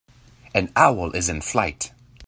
An owl is in flight.